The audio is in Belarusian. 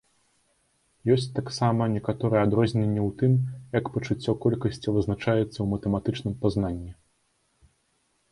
Ёсць таксама некаторыя адрозненні ў тым, як пачуццё колькасці вызначаецца ў матэматычным пазнанні.